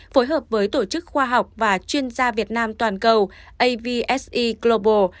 phối hợp với tổ chức khoa học và chuyên gia việt nam toàn cầu avse global